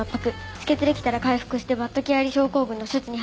止血できたら開腹してバッド・キアリ症候群の処置に入る。